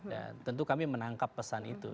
dan tentu kami menangkap pesan itu